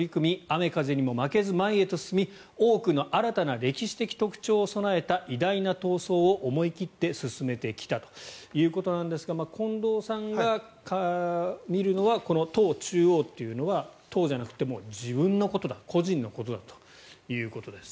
雨風にも負けずに前へと進み多くの新たな歴史的特徴を備えた偉大な闘争を思い切って進めてきたということなんですが近藤さんが見るのはこの党中央というのは党じゃなくて自分のことだ個人のことだということです。